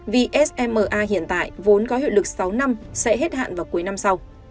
vì sma hiện tại vốn có hiệu lực sáu năm sẽ hết hạn vào cuối năm sau